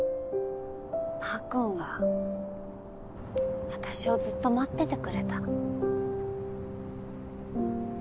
マー君は私をずっと待っててくれた。